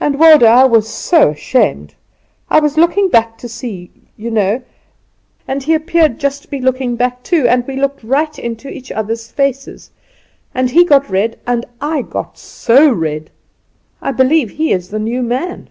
And, Waldo, I was so ashamed! I was just looking back to see, you know, and he happened just to be looking back too, and we looked right into each other's faces; and he got red, and I got so red. I believe he is the new man."